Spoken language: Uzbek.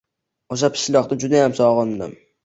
Oʻsha pishloqni judayam sogʻindim.